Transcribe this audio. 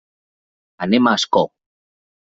Anem a Ascó.